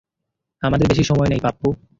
আমাদের বেশি সময় নেই পাপ্পু।